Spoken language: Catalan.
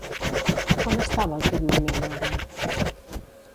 Com estava el firmament ara?